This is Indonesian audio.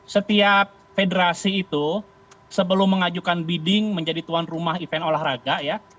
setiap federasi itu sebelum mengajukan bidding menjadi tuan rumah event olahraga ya